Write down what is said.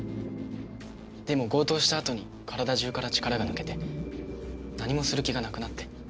でも強盗したあとに体中から力が抜けて何もする気がなくなって。